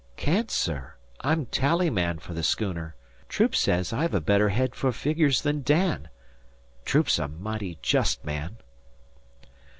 "Can't, sir. I'm tally man for the schooner. Troop says I've a better head for figures than Dan. Troop's a mighty just man."